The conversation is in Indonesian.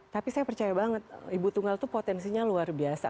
tapi saya percaya banget ibu tunggal itu potensinya luar biasa